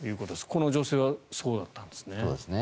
この女性はそうだったんですね。